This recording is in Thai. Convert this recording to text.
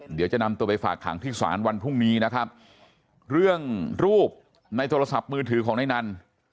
เดี๋ยวจะนำตัวไปฝากขังที่ศาลวันพรุ่งนี้นะครับเรื่องรูปในโทรศัพท์มือถือของนายนัน